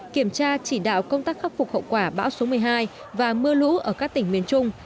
kiểm tra chỉ đạo công tác khắc phục hậu quả bão số một mươi hai và mưa lũ ở các tỉnh miền trung